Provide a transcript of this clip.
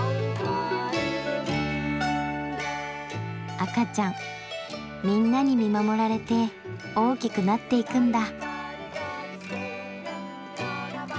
赤ちゃんみんなに見守られて大きくなっていくんだ。